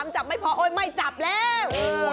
จับไม่พอโอ๊ยไม่จับแล้ว